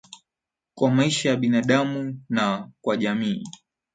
kwa maisha ya binadamu na kwa jamii